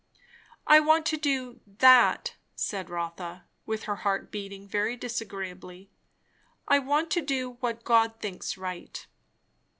"I want to do that," said Rotha, with her heart beating very disagreeably. "I want to do what God thinks right."